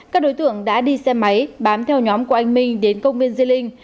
các đối tượng đã đi xe máy bám theo nhóm của anh minh đến công viên di linh